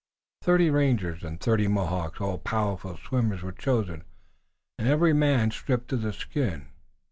Thirty rangers and thirty Mohawks, all powerful swimmers, were chosen, and every man stripped to the skin.